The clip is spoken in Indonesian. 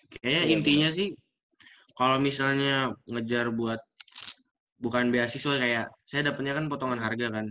kayaknya intinya sih kalau misalnya ngejar buat bukan beasiswa kayak saya dapetnya kan potongan harga kan